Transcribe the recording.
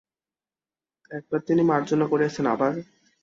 একবার তিনি মার্জনা করিয়াছেন, আবার–।